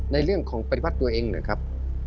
อ๋อในเรื่องของไปดีวัดตัวเองเหรอครับ